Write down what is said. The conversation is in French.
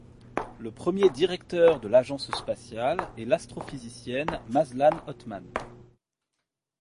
Le premier directeur de l'agence spatiale est l'astrophysicienne Mazlan Othman.